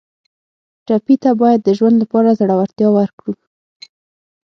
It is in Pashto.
ټپي ته باید د ژوند لپاره زړورتیا ورکړو.